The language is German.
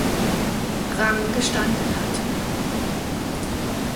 Rang gestanden hatte.